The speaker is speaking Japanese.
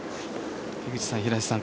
樋口さん、平瀬さん